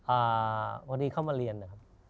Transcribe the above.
อ่าพอดีเข้ามาเรียนนะครับ